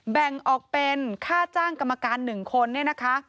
แบ่งออกเป็นค่าจ้างกรรมการ๑คนเนี่ยนะคะ